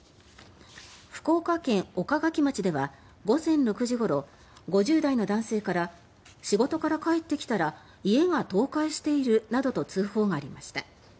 福岡県岡垣町では午前６時ごろ５０代の男性から仕事から帰ってきたら家が倒壊していると通報がありました。